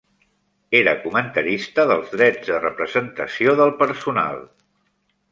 Era comentarista dels drets de representació del personal.